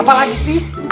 apa lagi sih